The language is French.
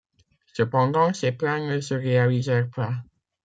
Cependant, ces plans ne se réalisèrent pas.